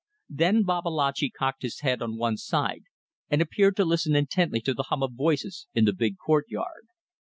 Then Babalatchi cocked his head on one side and appeared to listen intently to the hum of voices in the big courtyard.